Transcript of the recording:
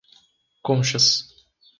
Conchas